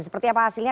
seperti apa hasilnya